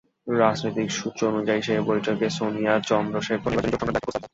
রাজনৈতিক সূত্র অনুযায়ী, সেই বৈঠকে সোনিয়াকে চন্দ্রশেখর নির্বাচনী জোটসংক্রান্ত একটা প্রস্তাব দেন।